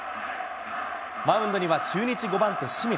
マウンドには中日５番手、清水。